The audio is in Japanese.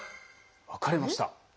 分かれました。